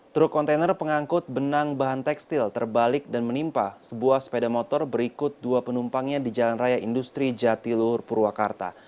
truk kontainer pengangkut benang bahan tekstil terbalik dan menimpa sebuah sepeda motor berikut dua penumpangnya di jalan raya industri jatilur purwakarta